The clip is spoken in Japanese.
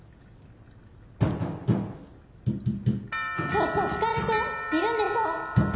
・ちょっと光くんいるんでしょ？